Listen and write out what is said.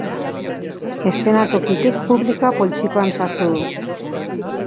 Eszenatokitik publikoa poltsikoan sartu du.